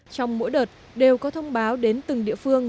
trong mỗi đợt đều có thông báo đến từng địa phương